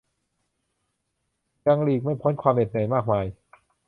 ยังหลีกไม่พ้นความเหน็ดเหนื่อยมากมาย